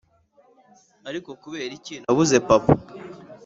ariko kubera iki nabuze papa?